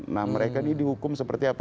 nah mereka ini dihukum seperti apa